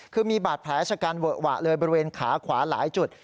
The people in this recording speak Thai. คือมีบาดแผลชะกันเวอะหวะเลยบริเวณขาขวาหลายจุด